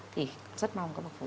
thì rất mong các bậc phụ huynh